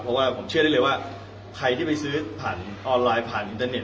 เพราะว่าผมเชื่อได้เลยว่าใครที่ไปซื้อผ่านออนไลน์ผ่านอินเตอร์เน็